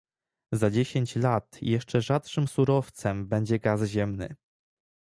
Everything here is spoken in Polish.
Za dziesięć lat jeszcze rzadszym surowcem będzie gaz ziemny